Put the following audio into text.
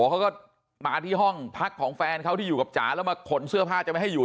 เขาก็มาที่ห้องพักของแฟนเขาที่อยู่กับจ๋าแล้วมาขนเสื้อผ้าจะไม่ให้อยู่